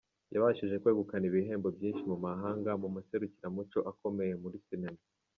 Yabashije kwegukana ibihembo byinshi mu mahanga, mu maserukiramuco akomeye muri sinema.